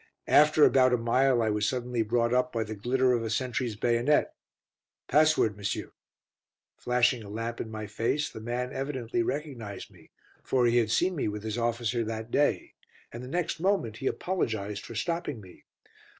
After about a mile I was suddenly brought up by the glitter of a sentry's bayonet. "Password, monsieur." Flashing a lamp in my face, the man evidently recognised me, for he had seen me with his officer that day, and the next moment he apologised for stopping me.